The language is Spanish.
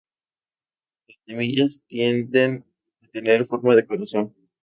Las semillas tienden a tener forma de corazón.